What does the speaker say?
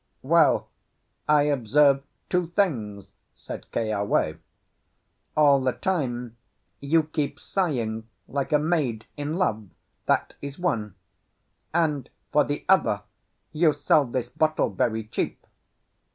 "Well, I observe two things," said Keawe. "All the time you keep sighing like a maid in love, that is one; and, for the other, you sell this bottle very cheap."